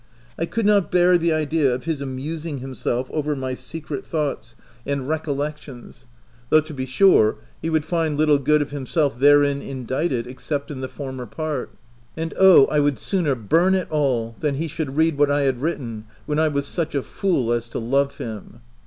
I could not bear the idea of his amusing himself over my secret thoughts and 66 THE TENANT recollections ; though, to be sure, he would find little good of himself therein indited, ex cept in the former part — and oh, I would sooner burn it all than he should read what I had written when I was such a fool as to love him